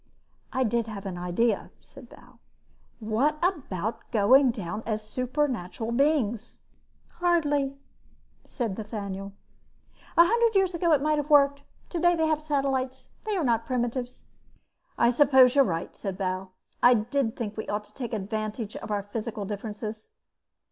"I did have an idea," said Bal. "What about going down as supernatural beings?" "Hardly," said Ethaniel. "A hundred years ago it might have worked. Today they have satellites. They are not primitives." "I suppose you're right," said Bal. "I did think we ought to take advantage of our physical differences."